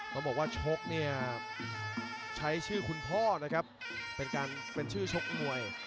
มันบอกว่าชกเนี่ยใช้ชื่อคุณพ่อนะครับเป็นชื่อชกมวย